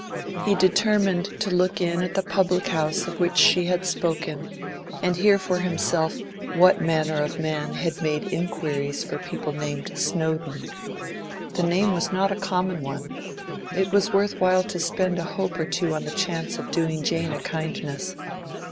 He determined to look in at the public house of which she had spoken, and hear for himself what manner of man had made inquiries for people named Snowdon. The name was not a common one; it was worth while to spend a hope or two on the chance of doing Jane a kindness.